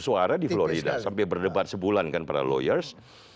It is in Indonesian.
suara di florida sampai berdebat sebulan kan para lawyers